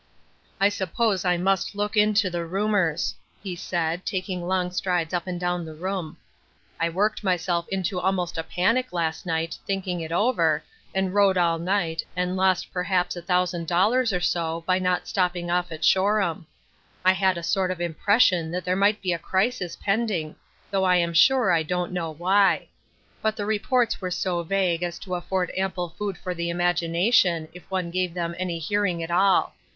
" I suppose I must look into the rumors," he said, taking long strides up and down the room. " I worked myself into almost a panic last night, thinking it over, and rode all night, and lost per haps a thousand dollars or so by not stopping off at Shoreham ; I had a sort of impression that there might be a crisis pending, though I am sure I don't know why ; but the reports were so vague as to afford ample food for the imagination, if one gave them any hearing at all.